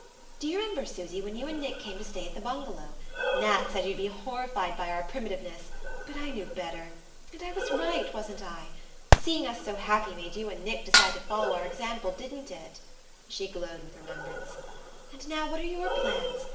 "Do you remember, Susy, when you and Nick came to stay at the bungalow? Nat said you'd be horrified by our primitiveness but I knew better! And I was right, wasn't I? Seeing us so happy made you and Nick decide to follow our example, didn't it?" She glowed with the remembrance. "And now, what are your plans?